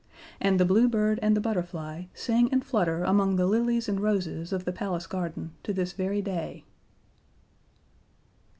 And the Blue Bird and the Butterfly sing and flutter among the lilies and roses of the Palace garden to this very day.